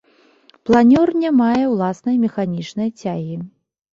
Планёр не мае ўласнай механічнай цягі.